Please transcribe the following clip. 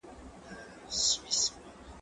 زه اوږده وخت انځور ګورم وم!.